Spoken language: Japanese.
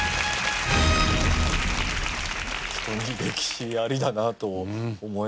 人に歴史ありだなと思いますね。